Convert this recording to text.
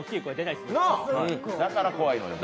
だから怖いのよ。